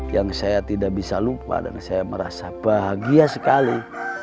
yang saya tidak bisa lupa dan saya merasa bahagia sekali